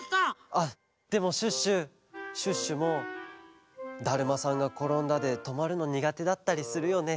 あっでもシュッシュシュッシュも「だるまさんがころんだ」でとまるのにがてだったりするよね？